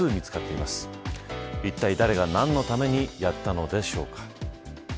いったい誰が何のためにやったのでしょうか。